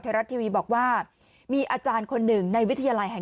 รัฐทีวีบอกว่ามีอาจารย์คนหนึ่งในวิทยาลัยแห่ง